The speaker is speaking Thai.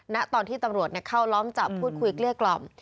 ณตอนที่ตำรวจเข้าล้อมจับพูดคุยเกลี้ยกล่อม